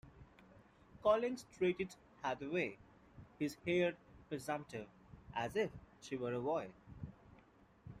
Collings treated Hathaway, his heir presumptive, as if she were a boy.